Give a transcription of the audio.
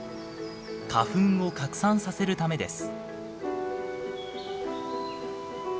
花粉を拡散させるためです。